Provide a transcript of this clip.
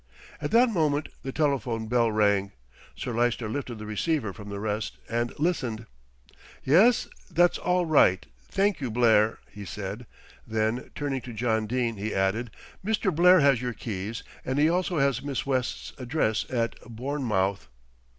At that moment the telephone bell rang. Sir Lyster lifted the receiver from the rest and listened. "Yes, that's all right, thank you, Blair," he said; then turning to John Dene he added, "Mr. Blair has your keys and he also has Miss West's address at Bournemouth."